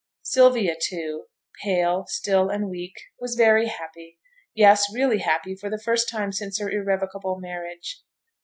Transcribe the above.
Sylvia, too, pale, still, and weak, was very happy; yes, really happy for the first time since her irrevocable marriage.